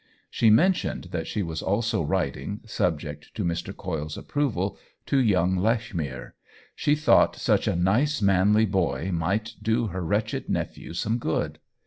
She men tioned that she was also writing, subject to Mr. Coyle's approval, to young Lechmere. She thought such a nice, manly boy might do her wretched nephew some good.